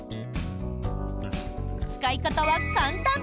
使い方は簡単。